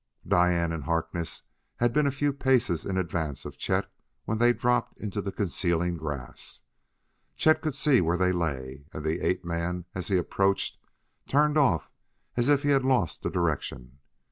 Diane and Harkness had been a few paces in advance of Chet when they dropped into the concealing grass. Chet could see where they lay, and the ape man, as he approached, turned off as if he had lost the direction.